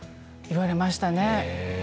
言われましたね。